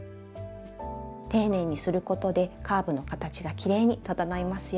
丁寧にすることでカーブの形がきれいに整いますよ。